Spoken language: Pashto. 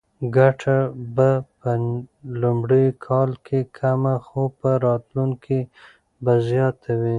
ګټه به په لومړي کال کې کمه خو په راتلونکي کې به زیاته وي.